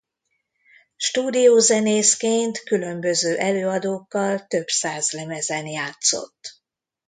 Stúdiózenészként különböző előadókkal több száz lemezen játszott.